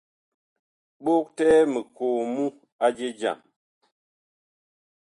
Bogtɛɛ mikoo mu a je jam.